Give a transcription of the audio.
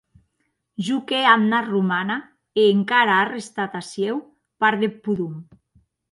Jo qu’è amna romana, e encara a restat aciu part deth podom.